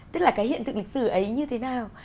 tức là cái hiện tượng lịch sử ấy như thế nào